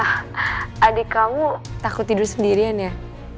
ah adik kamu takut tidur sendirian ya